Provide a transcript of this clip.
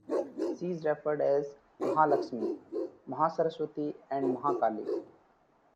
She is referred as MahaLakshmi, Mahasaraswati and MahaKali.